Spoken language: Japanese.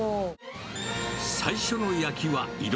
最初の焼きは色、